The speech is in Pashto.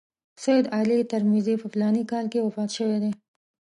سید علي ترمذي په فلاني کال کې وفات شوی دی.